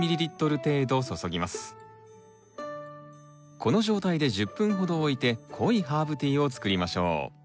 この状態で１０分ほどおいて濃いハーブティーを作りましょう。